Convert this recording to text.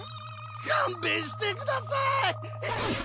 勘弁してください！